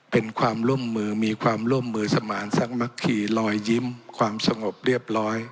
เป็นความร่วมมือมีความร่วมมือสมานสักมัคคีรอยยิ้มความสงบเรียบร้อย